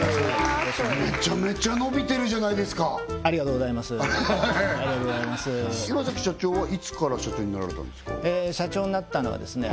めちゃめちゃ伸びてるじゃないですかありがとうございますありがとうございます岩崎社長はいつから社長になられたんですか社長になったのはですね